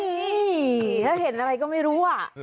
นี่ถ้าเห็นอะไรก็ไม่รู้อ่ะ